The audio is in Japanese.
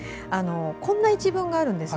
こんな一文があります。